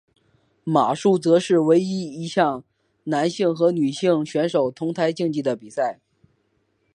马术则是唯一一项男性和女性选手同台竞技的比赛。